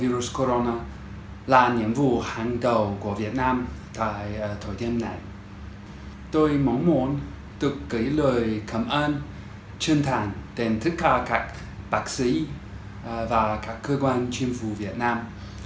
rất nhiều du khách anh đã bày tỏ lòng biết ơn đối với việt nam và đồng thời cũng khẳng định là sẽ tiếp tục hợp tác chặt chẽ với chính phủ việt nam